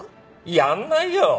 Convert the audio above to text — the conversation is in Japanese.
やんないよ！